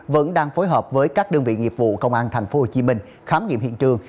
vẫn đang phối hợp với các đơn vị nghiệp vụ công an thành phố hồ chí minh khám nghiệm hiện trường